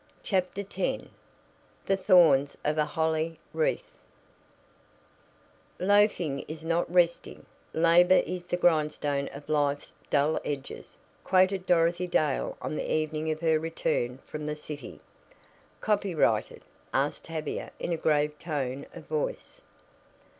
CHAPTER X THE THORNS OF A HOLLY WREATH "Loafing is not resting; labor is the grindstone of life's dull edges," quoted Dorothy Dale on the evening of her return from the city. "Copyrighted?" asked Tavia in a grave tone of voice.